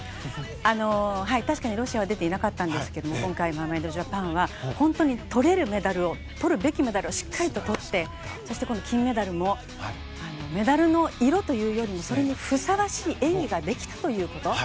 確かにロシアは出ていなかったんですが今回、マーメイドジャパンは取れるメダルを取るべきメダルをしっかりと取ってそしてこの金メダルもメダルの色というよりもそれにふさわしい演技ができたということ。